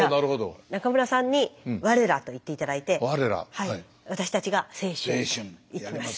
中村さんに「われら」と言って頂いて私たちが「青春」いきます。